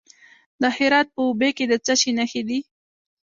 د هرات په اوبې کې د څه شي نښې دي؟